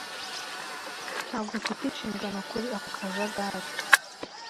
Ntabwo ufite inshingano kuri ako kajagari